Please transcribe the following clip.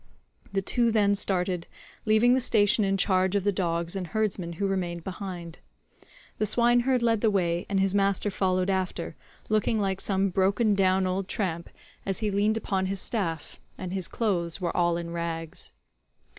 The two then started, leaving the station in charge of the dogs and herdsmen who remained behind; the swineherd led the way and his master followed after, looking like some broken down old tramp as he leaned upon his staff, and his clothes were all in rags.